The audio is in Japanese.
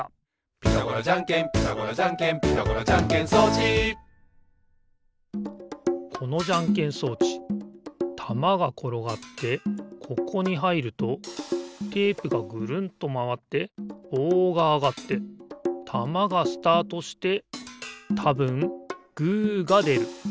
「ピタゴラじゃんけんピタゴラじゃんけん」「ピタゴラじゃんけん装置」このじゃんけん装置たまがころがってここにはいるとテープがぐるんとまわってぼうがあがってたまがスタートしてたぶんグーがでる。